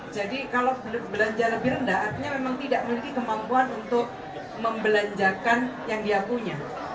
jadi kalau belanja lebih rendah artinya memang tidak memiliki kemampuan untuk membelanjakan yang dia punya